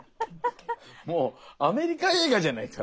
もうアメリカ映画じゃないですか。